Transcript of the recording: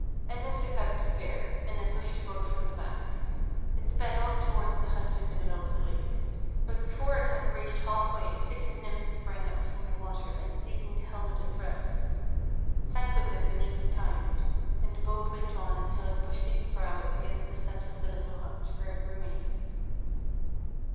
38 FAIRY TALES Enda took out the spear, and then pushed the boat from the bank. It sped on towards the hut in the middle of the lake; but before it had reached halfway six nymphs sprang up from the water and seizing the helmet and dress, sank with them beneath the tide, and the boat went on until it pushed its prow against the steps of the little hut, where it remained.